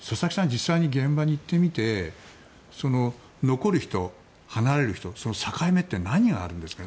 実際に現場に行ってみて残る人、離れる人境目って何があるんですか？